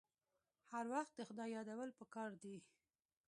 هر وخت د خدای یادول پکار دي.